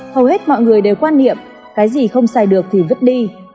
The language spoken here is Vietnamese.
hầu hết mọi người đều quan niệm cái gì không xài được thì vứt đi